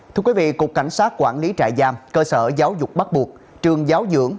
thưa quý vị cục cảnh sát quản lý trại giam cơ sở giáo dục bắt buộc trường giáo dưỡng